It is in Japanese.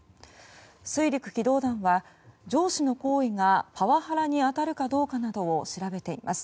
水陸機動団は、上司の行為がパワハラに当たるかどうかなどを調べています。